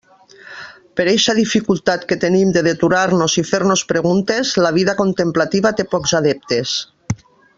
Per eixa dificultat que tenim de deturar-nos i fer-nos preguntes, la vida contemplativa té pocs adeptes.